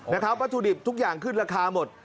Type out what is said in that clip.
นะครับปัจจุดิบทุกอย่างขึ้นราคาหมด